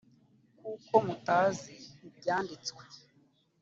kuko mutazi ibyanditswe